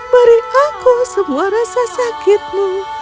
beri aku semua rasa sakitmu